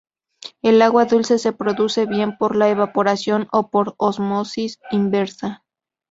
El agua dulce se produce bien por evaporación o por ósmosis inversa.